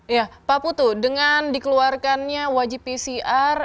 ya pak putu dengan dikeluarkannya wajib pcr